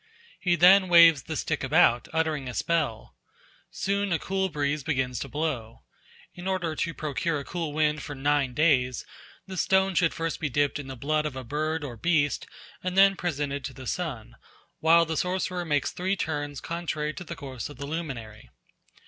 He then waves the stick about, uttering a spell. Soon a cool breeze begins to blow. In order to procure a cool wind for nine days the stone should first be dipped in the blood of a bird or beast and then presented to the sun, while the sorcerer makes three turns contrary to the course of the luminary.